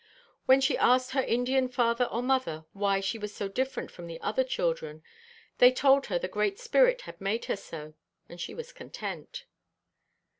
When she asked her Indian father or mother why she was so different from the other children, they told her The Great Spirit had made her so, and she was content.